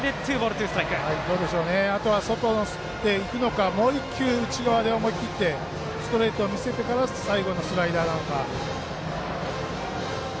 あとは外にいくのかもう１球、内側にストレートを見せてから最後にスライダーなのか。